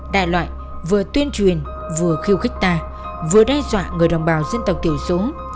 đại loại vừa tuyên truyền vừa khiêu khích ta vừa đe dọa người đồng bào dân tộc thiểu số